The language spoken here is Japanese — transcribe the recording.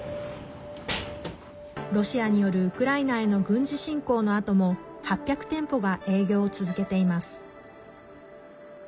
ロシアによるウクライナへの軍事侵攻のあとも８００店舗が営業を続けています。